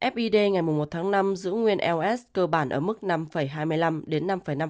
fdi ngày một tháng năm giữ nguyên ls cơ bản ở mức năm hai mươi năm đến năm năm